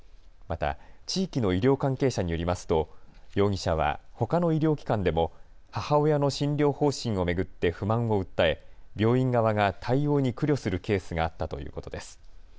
また地域の医療関係者によりますと、容疑者はほかの医療機関でも母親の診療方針を巡って不満を訴え、病院側が対応に苦慮するケースがあったということです。